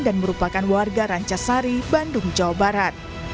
dan merupakan warga rancasari bandung jawa barat